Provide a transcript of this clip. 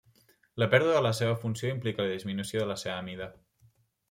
La pèrdua de la seva funció implica la disminució de la seva mida.